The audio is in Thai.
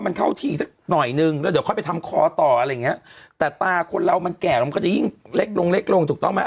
มันด้วยมุมอ่ะมันอาจจะไม่เหมือนตัวจริงน่ะใช่เออ